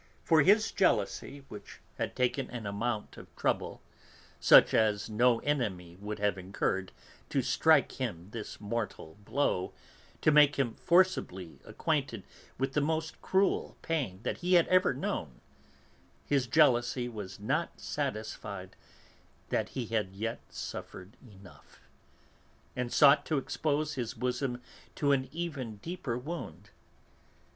For his jealousy, which had taken an amount of trouble, such as no enemy would have incurred, to strike him this mortal blow, to make him forcibly acquainted with the most cruel pain that he had ever known, his jealousy was not satisfied that he had yet suffered enough, and sought to expose his bosom to an even deeper wound.